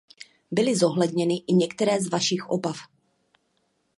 Byly zohledněny i některé z vašich obav.